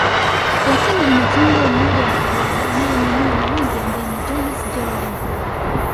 lakini ina kiungo mmoja mkabaji anayeaminiwa na wengi ambaye ni Jonas Gerald Mkude